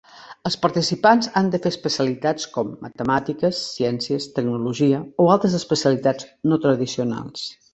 Els participants han de fer especialitats com matemàtiques, ciències, tecnologia o altres especialitats no tradicionals.